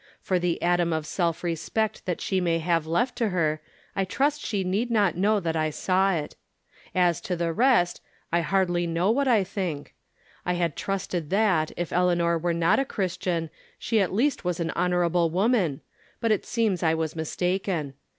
For the atom of self respect that she may have left to her, I trust she need not Icnow that I saw it. As to the rest, I hardly know what I think. I had trusted that, if Eleanor were not a Christian, she at least was an honorable woman ; but it seems I was mistaken.